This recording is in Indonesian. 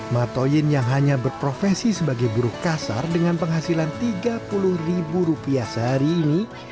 matoin yang hanya berprofesi sebagai buruh kasar dengan penghasilan tiga puluh ribu rupiah sehari ini